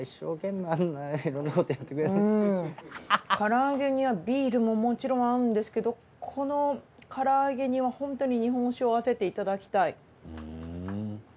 うん唐揚げにはビールももちろん合うんですけどこの唐揚げにはホントに日本酒を合わせていただきたい。